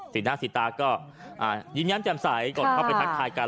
สีหน้าสีตาก็ยิ้มแย้มแจ่มใสก่อนเข้าไปทักทายกัน